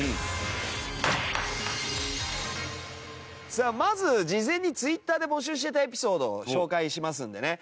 さあまず事前にツイッターで募集してたエピソードを紹介しますのでね。